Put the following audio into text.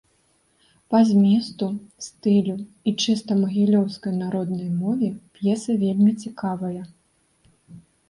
Па зместу, стылю і чыста магілёўскай народнай мове п'еса вельмі цікавая.